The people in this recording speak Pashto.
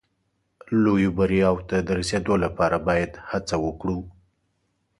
لویو بریاوو ته د رسېدو لپاره باید هڅه وکړو.